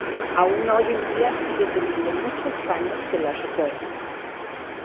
Aun hoy en día sigue teniendo muchos fanes que la recuerdan.